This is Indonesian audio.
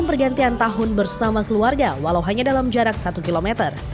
dan pergantian tahun bersama keluarga walau hanya dalam jarak satu km